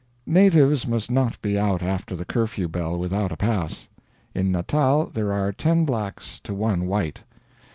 Natives must not be out after the curfew bell without a pass. In Natal there are ten blacks to one white.